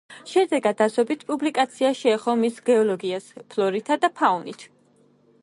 შედეგად, ასობით პუბლიკაცია შეეხო მის გეოლოგიას, ფლორითა და ფაუნით.